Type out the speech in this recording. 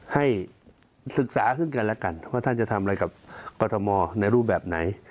ให้ศึกษาซึ่งกันแล้วกันว่าท่านจะทำอะไรกับกรทมในรูปแบบไหน